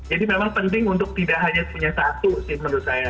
jadi memang penting untuk tidak hanya punya satu sih menurut saya